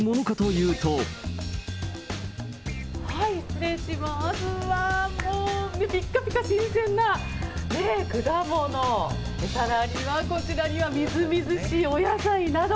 うわー、もう、ぴっかぴか新鮮な果物、さらにはこちらにはみずみずしいお野菜など。